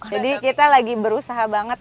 jadi kita lagi berusaha banget